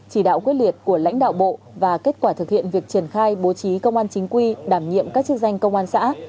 chỉ đạo quyết liệt của lãnh đạo bộ và kết quả thực hiện việc triển khai bố trí công an chính quy đảm nhiệm các chức danh công an xã